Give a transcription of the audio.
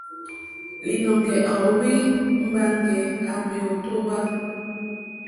Lìnɔ̀ŋɡɛ̀ à óhwì mbàŋɡɛ̀ à mèótówà.